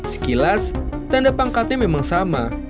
sekilas tanda pangkatnya memang sama